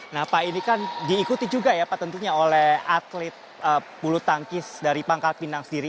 nah pak ini kan diikuti juga ya pak tentunya oleh atlet bulu tangkis dari pangkal pinang sendiri